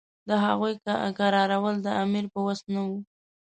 د هغوی کرارول د امیر په وس نه وو.